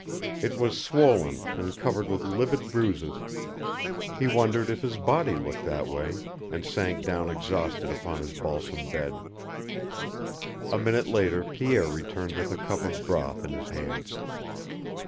It was swollen and covered with livid bruises. He wondered if his body looked that way, and sank down exhausted upon his balsam bed. A minute later Pierre returned with a cup of broth in his hand.